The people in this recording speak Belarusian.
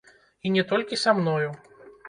І не толькі са мною.